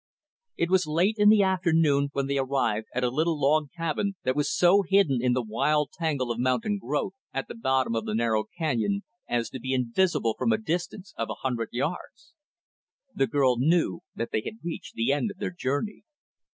It was late in the afternoon when they arrived at a little log cabin that was so hidden in the wild tangle of mountain growth at the bottom of the narrow canyon as to be invisible from a distance of a hundred yards. The girl knew that they had reached the end of their journey.